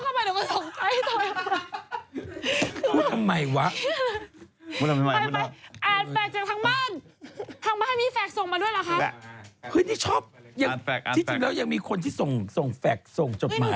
คือหนูพบเข้ามาหนูมาส่งไข้ใส่ตัวแอบมา